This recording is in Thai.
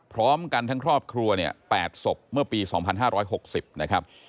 พร้อมกันทั้งครอบครัวเนี่ย๘ศพเมื่อปี๒๕๖๐นะครับ